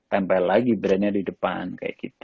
tempel lagi brandnya di depan kayak gitu